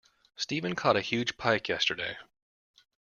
Stephen caught a huge pike yesterday